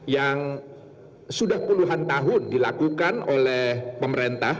yang sudah puluhan tahun dilakukan oleh pemerintah